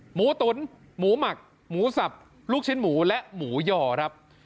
หมูตุ๋นหมูหมักหมูสับลูกชิ้นหมูและหมูย่อครับ